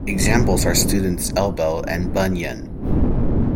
Examples are Students' elbow and bunion.